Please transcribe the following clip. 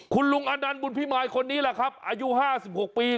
คุณลุงอนันต์บุญพิมายคนนี้แหละครับอายุ๕๖ปี